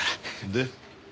で？